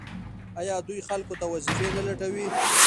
آیا دوی خلکو ته وظیفې نه لټوي؟